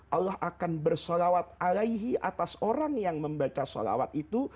allah akan bersalawat alaihi atas orang yang membaca sholawat itu